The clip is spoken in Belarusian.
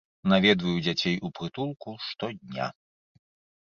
Наведваю дзяцей у прытулку штодня.